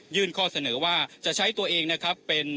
ยื่นข้อเสนอว่าจะใช้ตัวเองนะครับ